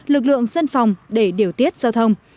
lực lượng dân phòng để điều tiết giao thông